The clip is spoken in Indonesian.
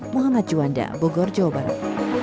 muhammad juanda bogor jawa barat